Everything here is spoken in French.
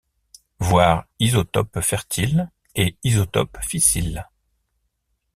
Voir isotope fertile et isotope fissile.